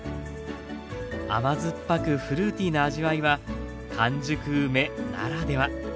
甘酸っぱくフルーティーな味わいは完熟梅ならでは。